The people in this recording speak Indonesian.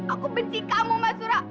aku benci kamu mas surak